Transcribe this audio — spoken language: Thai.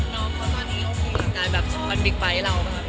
อเรนนี่น้องเขาตอนนี้โอเคกับนายแบบสมควรบิ๊กไฟท์ให้เรา